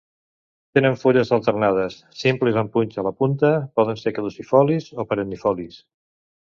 Tenen fulles alternades, simples amb punxa a la punta, poden ser caducifolis o perennifolis.